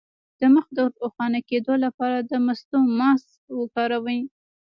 د مخ د روښانه کیدو لپاره د مستو ماسک وکاروئ